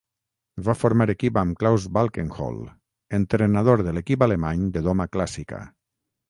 Va formar equip amb Klaus Balkenhol, entrenador de l'equip alemany de doma clàssica.